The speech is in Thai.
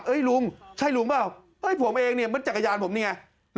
เฮ้ยลุงใช่ลุงเปล่าเฮ้ยผมเองเหมือนจักรยานผมนี่ไง